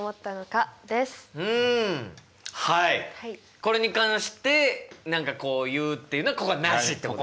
これに関して何か言うというのはここはなしってこと？